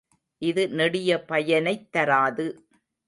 இது நெடிய பயனைத் தராது.